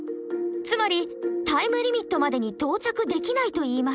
つまりタイムリミットまでに到着できないといいます。